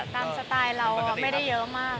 สไตล์เราไม่ได้เยอะมาก